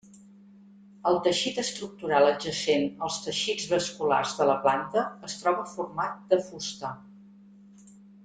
El teixit estructural adjacent als teixits vasculars de la planta es troba format de fusta.